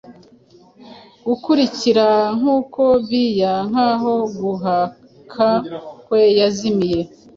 Gukurikira, nkuko bia nkaho, guhaka kwe yazimiye,